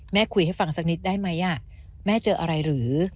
คุยให้ฟังสักนิดได้ไหมแม่เจออะไรหรือ